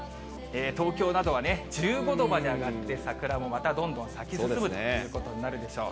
東京などはね、１５度まで上がって、桜もまたどんどん咲き進むということになるでしょう。